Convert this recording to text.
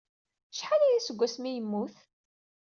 Acḥal aya seg wasmi ay yemmut?